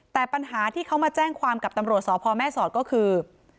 แต่ปัญหาที่เขามาแจ้งความกับตำรวจสพแม่สอดก็คือ